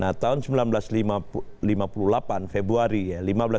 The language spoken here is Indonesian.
nah tahun seribu sembilan ratus lima puluh delapan februari ya